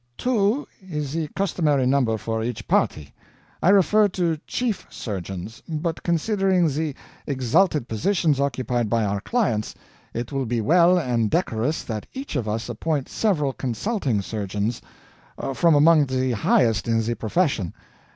"Two is the customary number for each party. I refer to 'chief' surgeons; but considering the exalted positions occupied by our clients, it will be well and decorous that each of us appoint several consulting surgeons, from among the highest in the profession.